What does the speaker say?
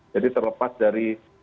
jadi terlepas dari